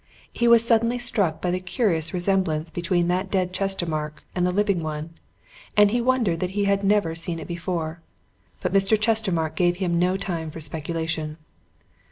He was suddenly struck by the curious resemblance between that dead Chestermarke and the living one, and he wondered that he had never seen it before. But Mr. Chestermarke gave him no time for speculation.